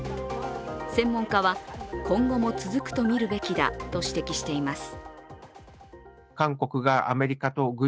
専門家は、今後も続くとみるべきだと指摘しています。